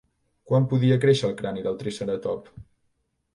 Quan podia créixer el crani del triceratop?